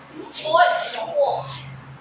คุณค้ำได้เงินใจแล้ว